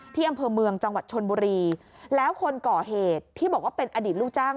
ที่อำเภอเมืองจังหวัดชนบุรีแล้วคนก่อเหตุที่บอกว่าเป็นอดีตลูกจ้าง